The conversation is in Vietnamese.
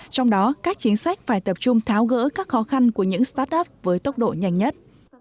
trong đó các chính sách phải tập trung tháo gỡ các khó khăn của những start up với tốc độ nhanh nhất